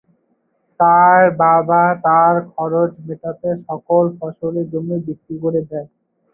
তার বাবা তার খরচ মেটাতে সকল ফসলি জমি বিক্রি করে দেন।